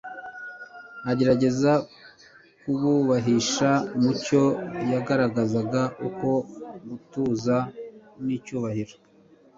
agerageza kubuhishira mu cyo yagaragazaga nko gutuza n’icyubahiro